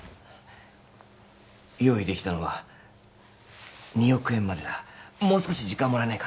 用意できたのは２億円までだもう少し時間もらえないか？